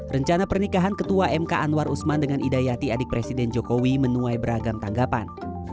rencana pernikahan ketua mk anwar usman dengan idayati adik presiden jokowi menuai beragam tanggapan